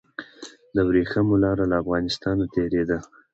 د وریښمو لاره له افغانستان تیریده